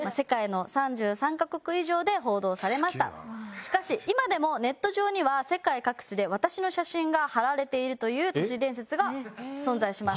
しかし今でもネット上には世界各地で私の写真が貼られているという都市伝説が存在します。